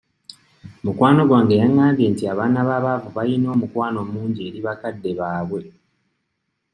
Mukwano gwange yangambye nti abaana b'abaavu bayina omukwano mungi eri bakadde baabwe.